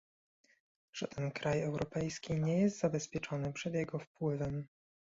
Żaden kraj europejski nie jest zabezpieczony przed jego wpływem